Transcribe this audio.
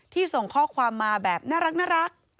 ส่งข้อความมาแบบน่ารัก